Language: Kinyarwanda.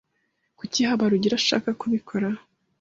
Kuki Habarugira ashaka kubikora?